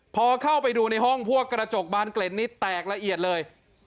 พอเข้าไปดูในห้องพวกกระจกบานเกล็ดนี้แตกละเอียดเลย